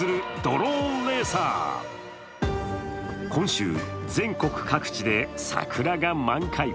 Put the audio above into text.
今週、全国各地で桜が満開。